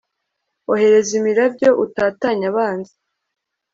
ohereza imirabyo, utatanye abanzi